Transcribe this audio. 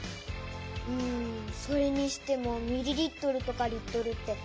うんそれにしてもミリリットルとかリットルって。